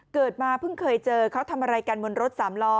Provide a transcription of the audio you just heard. เกิดมาเพิ่งเคยเจอเขาทำอะไรกันบนรถสามล้อ